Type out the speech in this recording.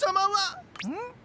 ん？